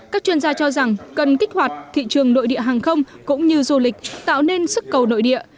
các chuyên gia cho rằng cần kích hoạt thị trường nội địa hàng không cũng như du lịch tạo nên sức cầu nội địa